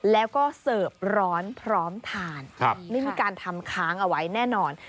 แล้วก็เสิร์ฟร้อนพร้อมทานไม่มีการทำค้างเอาไว้แน่นอน